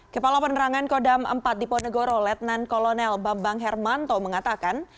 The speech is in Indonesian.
kepala penerangan kodam empat di ponegoro letnan kolonel bambang hermanto mengatakan